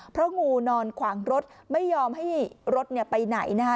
เพราะงูนอนขวางรถไม่ยอมให้รถไปไหนนะคะ